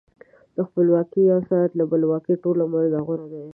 د خپلواکۍ یو ساعت له بلواکۍ ټول عمر نه غوره دی.